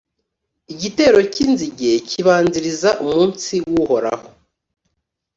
Igitero cy’inzige kibanziriza Umunsi w’Uhoraho